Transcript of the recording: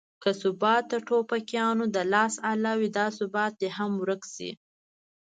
که ثبات د ټوپکیانو د لاس اله وي دا ثبات دې هم ورک شي.